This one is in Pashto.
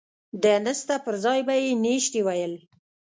د نسته پر ځاى به يې نيشتې ويل.